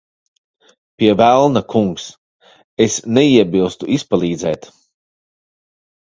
Pie velna, kungs. Es neiebilstu izpalīdzēt.